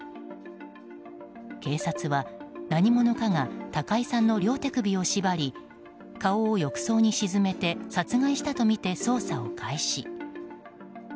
警察は、何者かが高井さんの両手首を縛り顔を浴槽に沈めて殺害したとみて捜査を開始。